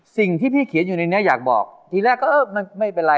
สิ่งที่พี่เขียนอยู่ในนี้อยากบอกทีแรกก็เออมันไม่เป็นไร